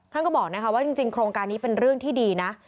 ก็บอกว่าจริงโครงการนี้เป็นเรื่องที่ดีนะ